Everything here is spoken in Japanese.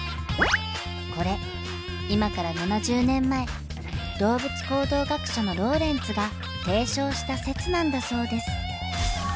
これ今から７０年前動物行動学者のローレンツが提唱した説なんだそうです。